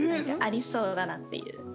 ありそうだなっていう。